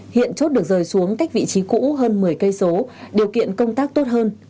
hiện chốt được rời xuống cách vị trí cũ hơn một mươi km điều kiện công tác tốt hơn